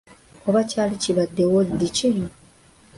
Oba kyali kibaddewo ddi kino!